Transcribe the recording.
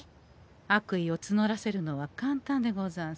悪意をつのらせるのは簡単でござんす。